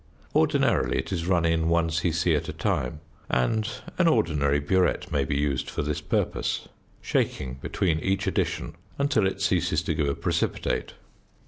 Ordinarily it is run in 1 c.c. at a time (and an ordinary burette may be used for this purpose), shaking between each addition until it ceases to give a precipitate.